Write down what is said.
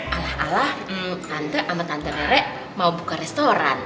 alah alah tante sama tante rek mau buka restoran